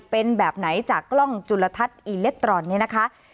เป็นแบบไหนจากกล้องจุลทัศน์อิเล็กตรอนด์เนี่ยนะคะ